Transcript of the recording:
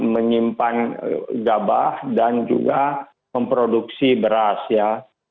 menyimpan gabah dan juga memproduksi beras ya